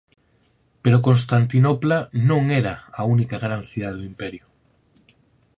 Pero Constantinopla non era a única gran cidade do Imperio.